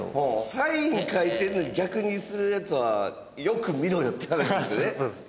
サイン書いてるのに逆にするヤツはよく見ろよって感じですね。